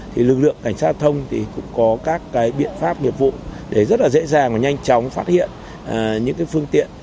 thì lực lượng cảnh sát giao thông cũng có các biện pháp biệp vụ để rất là dễ dàng và nhanh chóng phát hiện những phương tiện